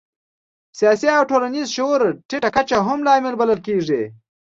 سیاسي او ټولنیز شعور ټیټه کچه هم یو لامل بلل کېږي.